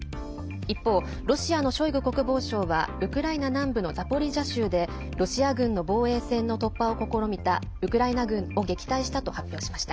一方、ロシアのショイグ国防相はウクライナ南部のザポリージャ州でロシア軍の防衛線の突破を試みたウクライナ軍を撃退したと発表しました。